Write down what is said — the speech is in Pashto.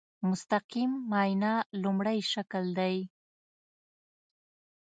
مستقیم معاینه لومړی شکل دی.